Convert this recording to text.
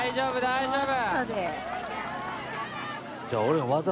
大丈夫？